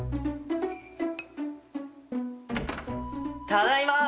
・ただいま！